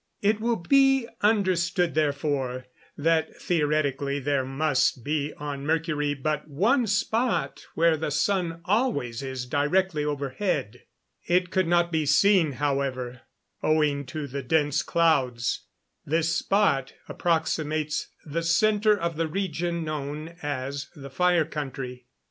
It will be understood, therefore, that, theoretically, there must be on Mercury but one spot where the sun always is directly overhead. It could not be seen, however, owing to the dense clouds. This spot approximates the center of the region known as the Fire Country.